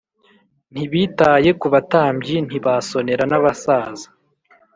Ntibitaye ku batambyi, Ntibasonera n’abasaza.